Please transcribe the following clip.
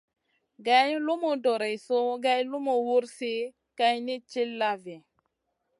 Geyn lumu doreissou geyn lumu wursi kayni tilla vi.